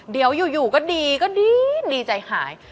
เดี๋ยวอยู่ก็ดีก็ดีดีใจหาย